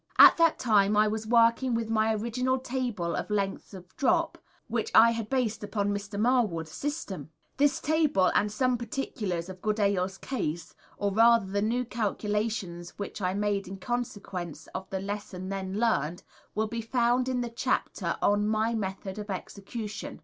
At that time I was working with my original table of lengths of drop, which I had based upon Mr. Marwood's system. This table, and some particulars of Goodale's case, or rather, of the new calculations which I made in consequence of the lesson then learned, will be found in the chapter on "My Method of Execution."